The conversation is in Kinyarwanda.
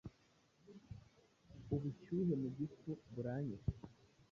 Ubushyuhe mu gifu buranyishe